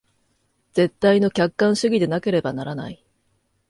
絶対の客観主義でなければならない。